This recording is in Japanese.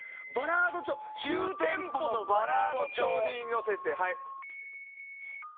中テンポのバラード調にのせて。